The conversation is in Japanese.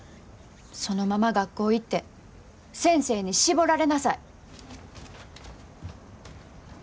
そのまま学校行って先生に絞られなさい。